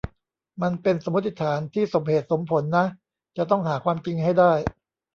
มันเป็นสมมุติฐานที่สมเหตุสมผลนะ จะต้องหาความจริงให้ได้